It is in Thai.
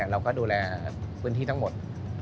เราก็ดูแลพื้นที่ทั้งหมด